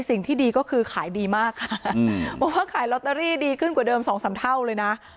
สิ่งที่ดีก็คือขายดีมากค่ะบอกว่าขายลอตเตอรี่ดีขึ้นกว่าเดิมสองสามเท่าเลยนะ